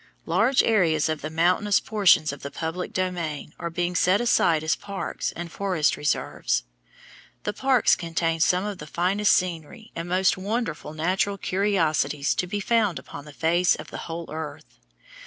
Large areas of the mountainous portions of the public domain are being set aside as parks and forest reserves. The parks contain some of the finest scenery and most wonderful natural curiosities to be found upon the face of the whole earth.